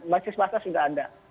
basis masa sudah ada